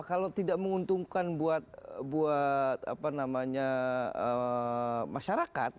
kalau tidak menguntungkan buat masyarakat